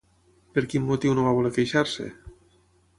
Per quin motiu no va voler queixar-se?